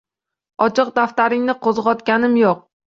Ochiq daftaringni qo’zg’otganim yo’q